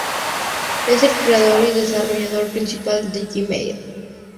Es el creador y desarrollador principal de Gmail.